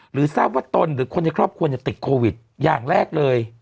ทราบว่าตนหรือคนในครอบครัวติดโควิดอย่างแรกเลย